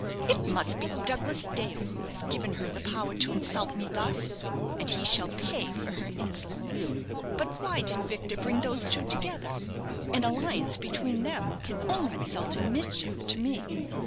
"It must be Douglas Dale who has given her the power to insult me thus, and he shall pay for her insolence. But why did Victor bring those two together? An alliance between them can only result in mischief to me.